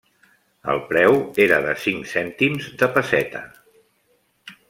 El preu era de cinc cèntims de pesseta.